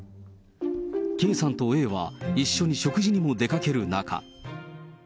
ＫさんとＡは一緒に食事にも出かける仲。